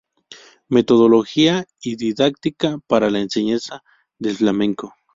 Metodología y didáctica para la enseñanza del Flamenco.